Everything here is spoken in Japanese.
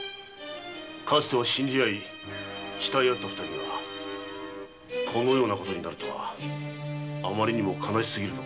かつては信じ合った二人がこのような事になるとはあまりにも悲しすぎるぞ。